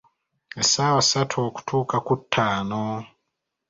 Essaawa ssatu okutuuka ku ttaano.